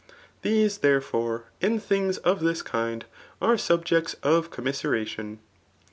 These, therefore, and things of this kind, are subjects of com flMseration.